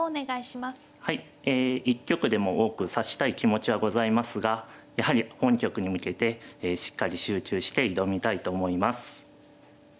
はいえ一局でも多く指したい気持ちはございますがやはり本局に向けてしっかり集中して挑みたいと思います。